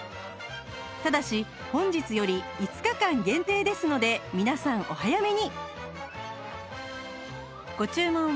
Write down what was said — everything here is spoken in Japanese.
ただし本日より５日間限定ですので皆さんお早めに！